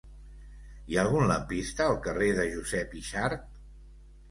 Hi ha algun lampista al carrer de Josep Yxart?